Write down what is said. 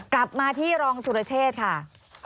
กลับมาที่รองสุรเชษค่ะ